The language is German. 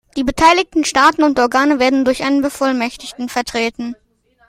Die beteiligten Staaten und Organe werden durch einen Bevollmächtigten vertreten.